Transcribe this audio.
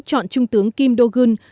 chọn trung tướng kim do geun